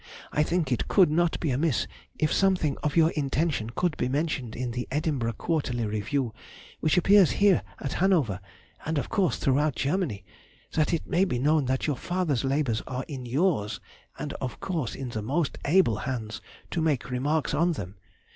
I think it could not be amiss if something of your intention could be mentioned in the Edinburgh Quarterly Review, which appears here at Hanover, and of course throughout Germany, that it may be known that your father's labours are in yours and of course in the most able hands to make remarks on them.